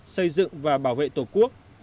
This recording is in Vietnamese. xây dựng và bảo vệ tổ quốc